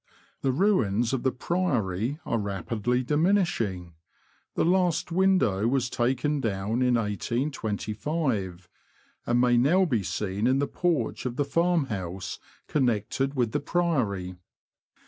The ruins of the Priory are rapidly diminish ing ; the last window was taken down in 1825, and may now be seen in the porch of the farmhouse connected with the Priory.